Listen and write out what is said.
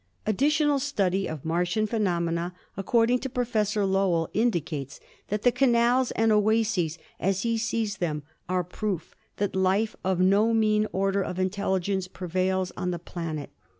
Additional study of Martian phenomena, according to Professor Lowell, in dicates that the canals and oases as he sees them are proof that life of no mean order of intelligence prevails on the planet.